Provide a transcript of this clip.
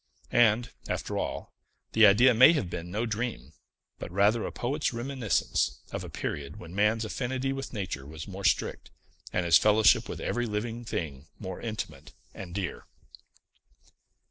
And, after all, the idea may have been no dream, but rather a poet's reminiscence of a period when man's affinity with nature was more strict, and his fellowship with every living thing more intimate and dear.